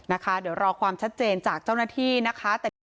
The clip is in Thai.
นะคะเดี๋ยวรอความชัดเจนจากเจ้าหน้าที่นะคะ